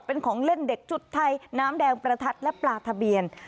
เป็นของเล่นเด็กชุดไทยน้ำแดงประทัดและปลาทะเบียน